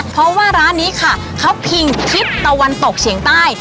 เพราะว่าร้านนี้ค่ะเขาพิงทิศตะวันตกเฉียงใต้